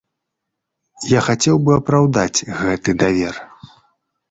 Я хацеў бы апраўдаць гэты давер.